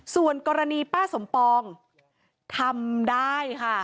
ส่วนกรณีป้าสมปองทำได้ค่ะ